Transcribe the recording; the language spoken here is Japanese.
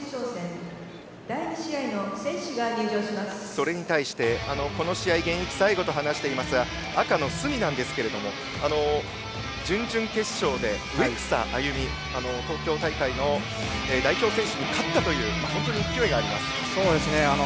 それに対してこの試合、現役最後と話します赤の角なんですが準々決勝で植草歩東京大会の代表選手に勝ったということで本当に勢いがあります。